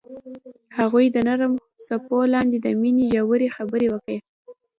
هغوی د نرم څپو لاندې د مینې ژورې خبرې وکړې.